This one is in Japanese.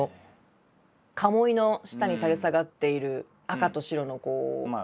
かもいの下に垂れ下がっている赤と白のこう。